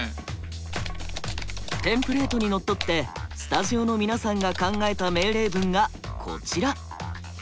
テンプレートにのっとってスタジオの皆さんが考えた命令文がこちら。